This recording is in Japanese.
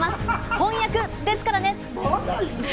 本厄ですからね。